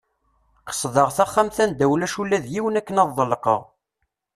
Qesdeɣ taxxamt anda ulac ula yiwen akken ad ḍelqeɣ.